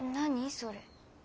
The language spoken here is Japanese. それ。